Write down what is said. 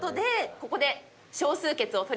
ここで。